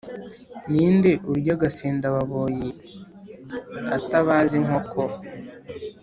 ni nde urya agasendababoyi atabaze inkoko?